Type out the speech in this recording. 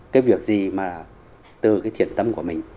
cái việc gì mà từ cái thiện tâm của mình